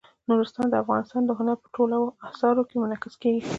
نورستان د افغانستان د هنر په ټولو اثارو کې منعکس کېږي.